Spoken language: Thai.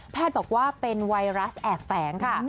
บอกว่าเป็นไวรัสแอบแฝงค่ะ